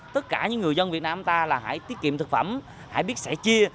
tất cả những người dân việt nam ta là hãy tiết kiệm thực phẩm hãy biết sẻ chia